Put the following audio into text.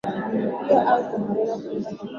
hicho au cha kufanana nacho Tanzania kuna